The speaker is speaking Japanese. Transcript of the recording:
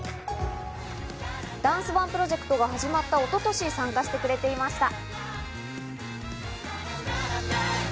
ダンスＯＮＥプロジェクトが始まった一昨年、参加してくれていました。